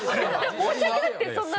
申し訳なくてそんな。